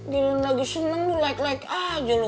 gak lagi seneng lu like like aja lu